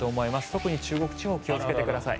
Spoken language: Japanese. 特に中国地方気をつけてください。